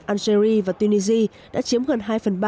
algeria và tunisia đã chiếm gần hai phần ba